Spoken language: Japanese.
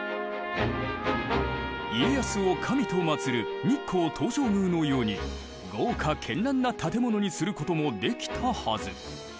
家康を神と祀る日光東照宮のように豪華けんらんな建物にすることもできたはず。